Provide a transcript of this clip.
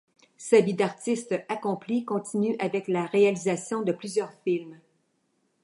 Sa vie d'artiste accomplie continue avec la réalisation de plusieurs films.